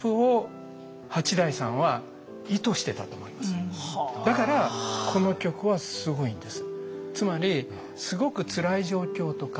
これはだからこの曲はすごいんです。